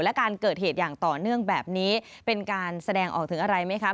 และการเกิดเหตุอย่างต่อเนื่องแบบนี้เป็นการแสดงออกถึงอะไรไหมคะ